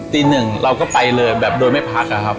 ตีหนึ่งเราก็ไปเลยแบบโดยไม่พักอะครับ